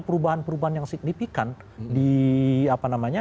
perubahan perubahan yang signifikan